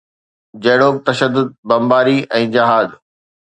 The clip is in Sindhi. جهڙوڪ تشدد، بمباري ۽ جهاد.